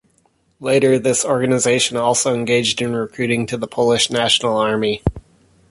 Later this organization also engaged in recruiting to the Polish National Army.